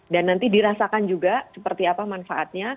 dan nanti dirasakan juga seperti apa manfaatnya